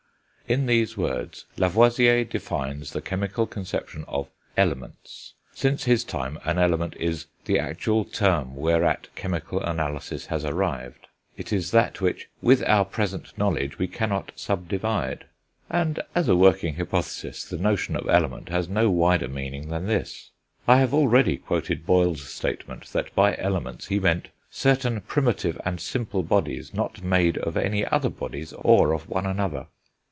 In these words Lavoisier defines the chemical conception of elements; since his time an element is "the actual term whereat chemical analysis has arrived," it is that which "with our present knowledge we cannot sub divide"; and, as a working hypothesis, the notion of element has no wider meaning than this. I have already quoted Boyle's statement that by elements he meant "certain primitive and simple bodies ... not made of any other bodies, or of one another."